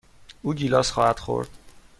او گیلاس خواهد خورد.